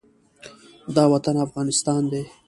دا وطن افغانستان دى.